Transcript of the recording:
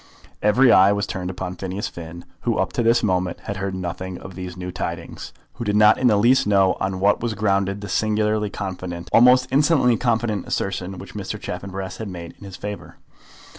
Every eye was turned upon Phineas Finn, who up to this moment had heard nothing of these new tidings, who did not in the least know on what was grounded the singularly confident, almost insolently confident assertion which Mr. Chaffanbrass had made in his favour.